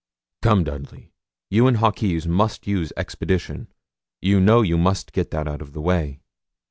'Come, Dudley, you and Hawkes must use expedition. You know you must get that out of the way.'